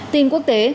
tình quốc tế